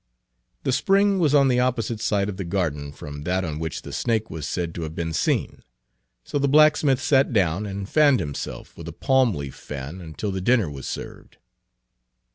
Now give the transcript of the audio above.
The spring was on the opposite side of the garden from that on which the snake was said to have been seen, so the blacksmith sat down and fanned himself with a palm leaf fan until the dinner was served.